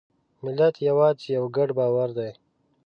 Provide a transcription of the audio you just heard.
ملت یوازې یو ګډ باور دی.